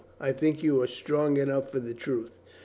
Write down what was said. I think you are strong enough for the truth."